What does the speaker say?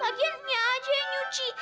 lagian nya aja yang nyuci